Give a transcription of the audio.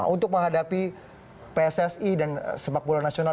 untuk menghadapi pssi dan sepak bola nasional